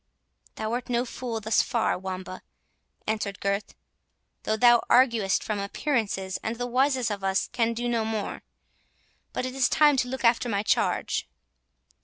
"Thou art no fool thus far, Wamba," answered Gurth, "though thou arguest from appearances, and the wisest of us can do no more—But it is time to look after my charge."